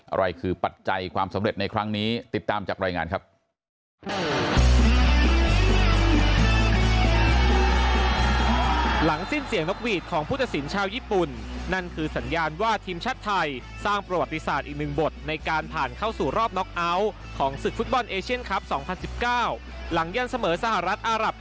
อะไรคือปัจจัยความสำเร็จในครั้งนี้ติดตามจากรายงานครับ